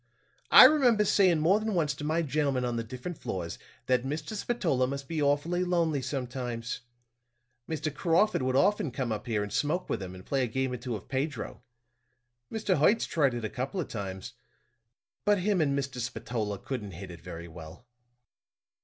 "I remember saying more than once to my gentlemen on the different floors, that Mr. Spatola must be awfully lonely sometimes. Mr. Crawford would often come up here and smoke with him and play a game or two of Pedro. Mr. Hertz tried it a couple of times; but him and Mr. Spatola couldn't hit it very well."